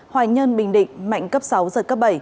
hoài nhơn bình định mạnh cấp sáu giật cấp bảy